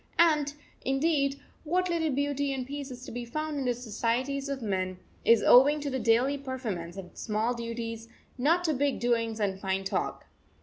And, indeed, what little of beauty and peace is to be found in the societies of men is owing to the daily performance of small duties, not to big doings and fine talk.